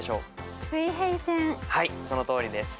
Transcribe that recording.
はいそのとおりです。